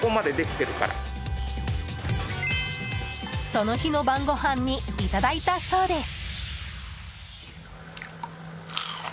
その日の晩ごはんにいただいたそうです。